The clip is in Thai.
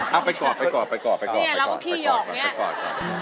เอาไปกอด